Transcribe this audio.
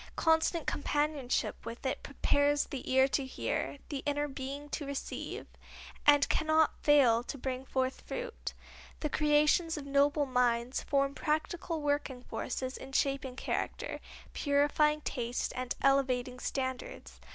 Constant companionship with it prepares the ear to hear, the inner being to receive, and cannot fail to bring forth fruit. The creations of noble minds form practical working forces in shaping character, purifying taste and elevating standards.